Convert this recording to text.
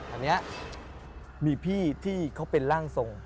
อันนี้มีพี่ที่เขาเป็นร่างทรง